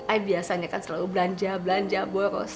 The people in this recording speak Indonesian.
eh biasanya kan selalu belanja belanja boros